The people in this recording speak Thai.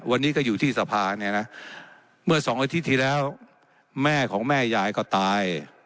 วันนี้ก็อยู่ที่สภาเนี่ยนะเมื่อสองอาทิตย์ที่แล้วแม่ของแม่ยายก็ตาย